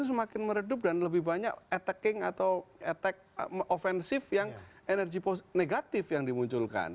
semakin meredup dan lebih banyak attacking atau attack offensive yang energi negatif yang dimunculkan